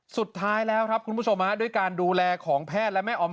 สุดท้ายแล้วครับคุณผู้ชมด้วยการดูแลของแพทย์และแม่ออม